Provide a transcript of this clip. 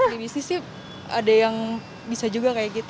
di bisnis sih ada yang bisa juga kayak gitu